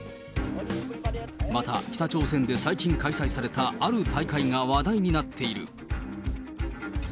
また北朝鮮で最近、開催されたある大会が話題になっている。